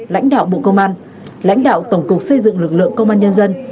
lãnh đạo bộ công an lãnh đạo tổng cục xây dựng lực lượng công an nhân dân